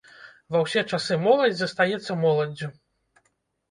Ва ўсе часы моладзь застаецца моладдзю.